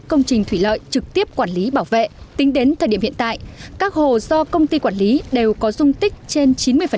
công trình thủy lợi trực tiếp quản lý bảo vệ tính đến thời điểm hiện tại các hồ do công ty quản lý đều có dung tích trên chín mươi